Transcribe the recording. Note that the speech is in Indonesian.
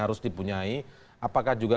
harus dipunyai apakah juga